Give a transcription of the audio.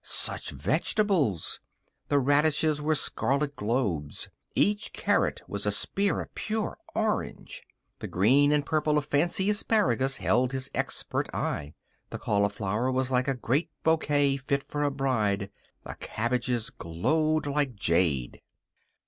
Such vegetables! The radishes were scarlet globes. Each carrot was a spear of pure orange. The green and purple of fancy asparagus held his expert eye. The cauliflower was like a great bouquet, fit for a bride; the cabbages glowed like jade.